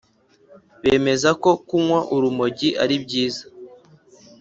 Bemeza ko kunywa urumogi aribyiza